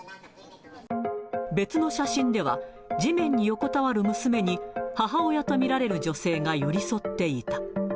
別の写真では、地面に横たわる娘に、母親と見られる女性が寄り添っていた。